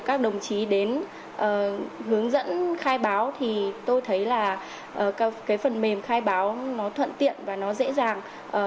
các đồng chí đến hướng dẫn khai báo thì tôi thấy là cái phần mềm khai báo nó thuận tiện và nó dễ dàng